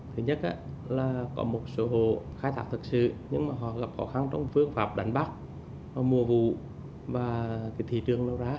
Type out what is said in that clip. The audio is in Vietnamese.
thứ nhất là có một số hồ khai thác thực sự nhưng họ gặp khó khăn trong phương pháp đánh bắt mùa vụ và thị trường lâu ra